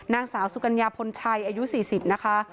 นางสาวสุกัญญาพลชัยอายุ๔๐นะคะ